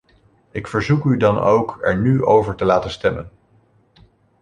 Ik verzoek u dan ook er nu over te laten stemmen.